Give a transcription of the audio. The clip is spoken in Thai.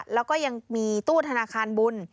แล้วก็ยังมีตู้ธนาคารบุญ